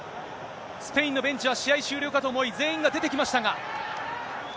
スペインのベンチは試合終了かと思い、全員が出てきましたが。